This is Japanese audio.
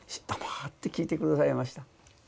黙って聞いて下さいました。